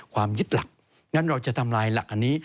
ยึดหลักงั้นเราจะทำลายหลักอันนี้